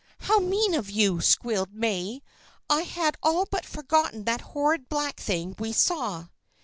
"How mean of you!" squealed May. "I had all but forgotten that horrid black thing we saw."